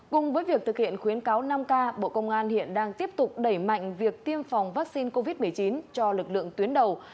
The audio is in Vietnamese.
cùng với việc thực hiện khuyến cáo năm k bộ công an hiện đang tiếp tục đẩy mạnh việc tiêm phòng vaccine covid một mươi chín cho lực lượng tuyến đầu